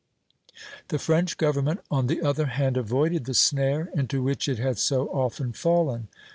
The French government, on the other hand, avoided the snare into which it had so often fallen.